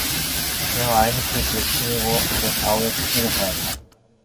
동혁은 아랫입술을 지그시 깨물고 앉아서 아우의 폭백을 받았다.